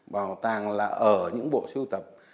bảo tàng là ở những bộ siêu tập